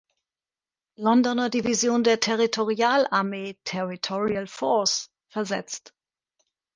Londoner Division der Territorialarmee "(Territorial Force)" versetzt.